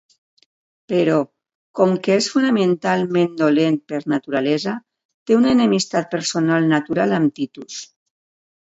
Però, com que és fonamentalment dolent per naturalesa, té una enemistat personal natural amb Titus.